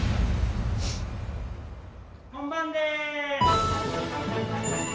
本番です。